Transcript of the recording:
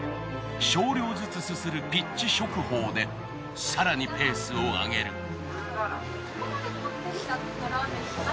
少量ずつすするピッチ食法で更にペースを上げる。